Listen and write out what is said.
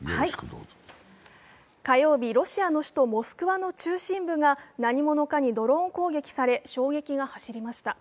火曜日、ロシアの首都モスクワの中心部が何者かにドローン攻撃され衝撃が走りました。